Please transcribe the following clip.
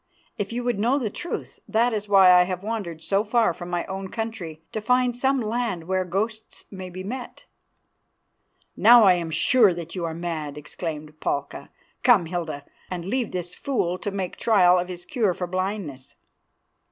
If you would know the truth, that is why I have wandered so far from my own country to find some land where ghosts may be met." "Now I am sure that you are mad," exclaimed Palka. "Come, Hilda, and leave this fool to make trial of his cure for blindness."